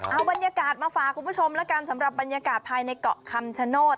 เอาบรรยากาศมาฝากคุณผู้ชมแล้วกันสำหรับบรรยากาศภายในเกาะคำชโนธ